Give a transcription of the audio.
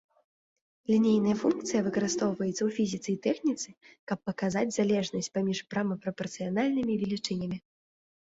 Лінейная функцыя выкарыстоўваецца ў фізіцы і тэхніцы, каб паказаць залежнасць паміж прама прапарцыянальнымі велічынямі.